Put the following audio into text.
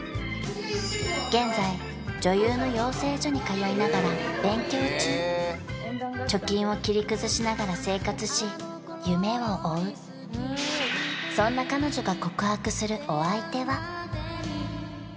現在女優の養成所に通いながら勉強中貯金を切り崩しながら生活し夢を追うそんな彼女がはあ！